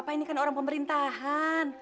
pak ini kan orang pemerintahan